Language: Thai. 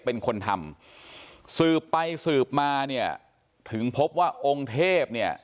เป็นคนทำสืบไปสืบมาเนี่ยถึงพบว่าองค์เทพเนี่ย